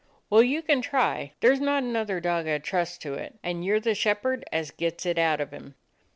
"Well, you can try. There 's not another dog I 'd trust to it, and you 're the shepherd as gets it out of him."